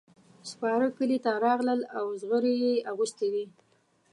سپاره کلي ته راغلل او زغرې یې اغوستې وې.